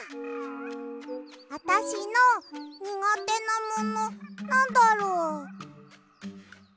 あたしのにがてなものなんだろう？